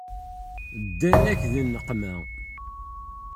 Ddan-ak di nneqma.